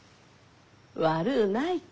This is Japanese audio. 悪うないき。